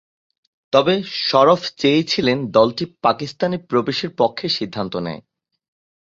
তবে সরফ চেয়েছিলেন দলটি পাকিস্তানে প্রবেশের পক্ষে সিদ্ধান্ত নেয়।